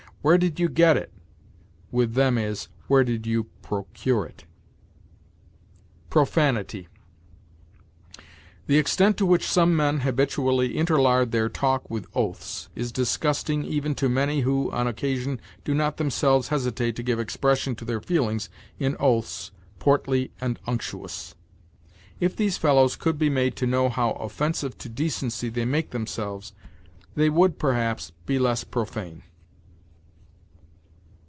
"Where did you get it?" with them is, "Where did you procure it?" PROFANITY. The extent to which some men habitually interlard their talk with oaths is disgusting even to many who, on occasion, do not themselves hesitate to give expression to their feelings in oaths portly and unctuous. If these fellows could be made to know how offensive to decency they make themselves, they would, perhaps, be less profane.